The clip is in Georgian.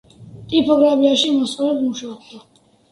ტიპოგრაფიაში მოსწავლედ მუშაობდა.